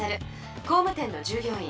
工務店の従業員。